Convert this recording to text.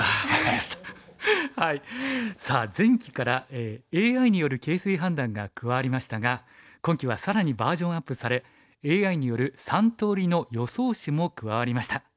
さあ前期からＡＩによる形勢判断が加わりましたが今期は更にバージョンアップされＡＩによる３通りの予想手も加わりました。